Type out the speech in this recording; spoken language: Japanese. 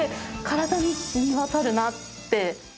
体に染み渡るなって。